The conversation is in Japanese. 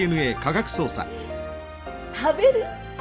食べる？